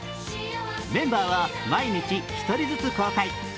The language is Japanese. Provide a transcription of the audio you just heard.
メンバー毎日１人ずつ交代。